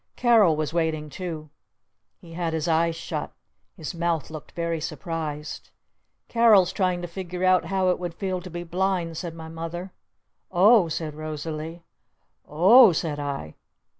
Carol was waiting too. He had his eyes shut. His mouth looked very surprised. "Carol's trying to figure out how it would feel to be blind," said my Mother. "Oh!" said Rosalee. "O h!" said I.